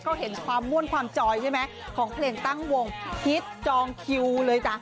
เขาเห็นความม่วนความจอยใช่ไหมของเพลงตั้งวงฮิตจองคิวเลยจ้ะ